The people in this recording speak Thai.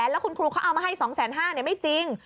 แล้วคุณครูเขาเอามาให้๒๕๐๐บาทไม่จริง